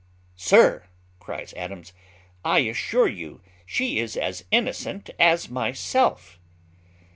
"Sir," cries Adams, "I assure you she is as innocent as myself."